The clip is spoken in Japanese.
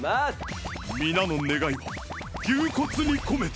皆の願いを牛骨に込めて